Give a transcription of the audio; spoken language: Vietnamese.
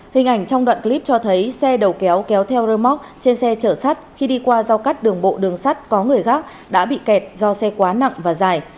hình ảnh trong đoạn clip cho thấy xe đầu kéo kéo theo rơ móc trên xe chở sắt khi đi qua giao cắt đường bộ đường sắt có người khác đã bị kẹt do xe quá nặng và dài